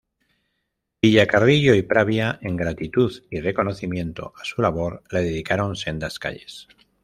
Villacarrillo y Pravia en gratitud y reconocimiento a su labor le dedicaron sendas calles.